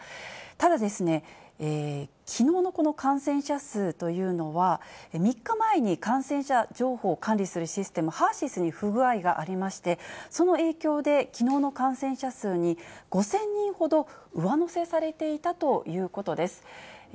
ただですね、きのうのこの感染者数というのは、３日前に感染者情報を管理するシステム、ＨＥＲーＳＹＳに不具合がありまして、その影響できのうの感染者数に５０００人ほど上乗せされていたということです。